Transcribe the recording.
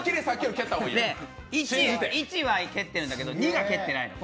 １は蹴ってるんだけど、２が蹴ってないの。